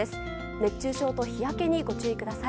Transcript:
熱中症と日焼けにご注意ください。